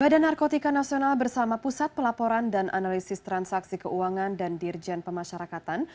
badan narkotika nasional bersama pusat pelaporan dan analisis transaksi keuangan dan dirjen pemasyarakatan